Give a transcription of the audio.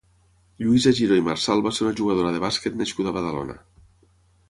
Lluïsa Giró i Marsal va ser una jugadora de bàsquet nascuda a Badalona.